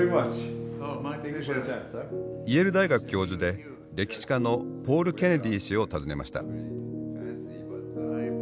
イェール大学教授で歴史家のポール・ケネディ氏を訪ねました。